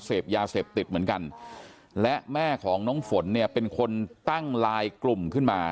เสพยาเสพติดเหมือนกันและแม่ของน้องฝนเนี่ยเป็นคนตั้งไลน์กลุ่มขึ้นมา